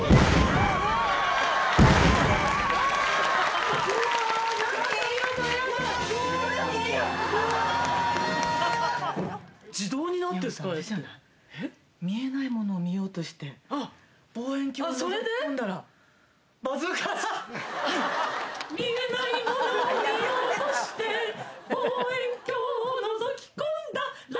あ美穂さん、見えないものを見ようとして、望遠鏡をのぞき込んだら。